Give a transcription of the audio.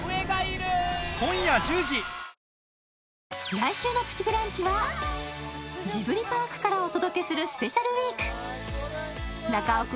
来週の「プチブランチ」はジブリパークからお届けするスペシャルウィーク中尾君